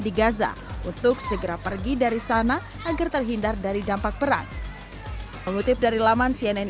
di gaza untuk segera pergi dari sana agar terhindar dari dampak perang mengutip dari laman cnn